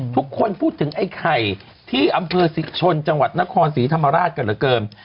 ทุกคนพูดถึงไอ้ไข่ที่อำเภอศิษย์ชนจังหวัดนครศรีธรรมราชกรเกิม